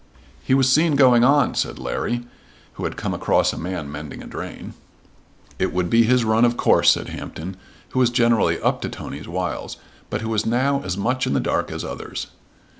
"He was seen going on," said Larry, who had come across a man mending a drain. "It would be his run of course," said Hampton, who was generally up to Tony's wiles, but who was now as much in the dark as others.